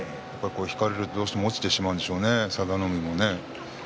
引かれるとどうしても落ちてしまうんでしょうね佐田の海も。